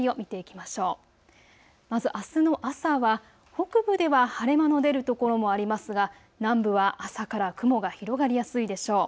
まず、あすの朝は北部では晴れ間の出る所もありますが南部は朝から雲が広がりやすいでしょう。